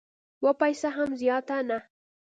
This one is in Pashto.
یوه پیسه هم زیاته نه